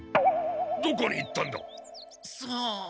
どこに行ったんだ？さあ？